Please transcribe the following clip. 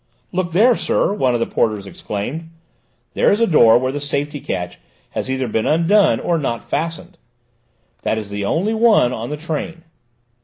"Look there, sir," one of the porters exclaimed; "there is a door where the safety catch has either been undone or not fastened; that is the only one on the train."